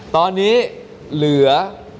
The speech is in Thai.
ตอนนี้เหลือ